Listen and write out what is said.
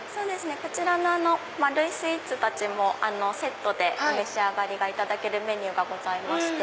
こちらの丸いスイーツたちもセットでお召し上がりいただけるメニューがございまして。